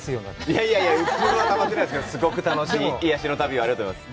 いやいやいや、鬱憤はたまってないですけど、癒やしの旅、ありがとうございます。